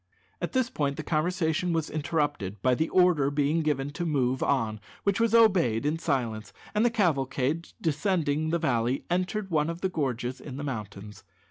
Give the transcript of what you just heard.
At this point the conversation was interrupted by the order being given to move on, which was obeyed in silence, and the cavalcade, descending the valley, entered one of the gorges in the mountains.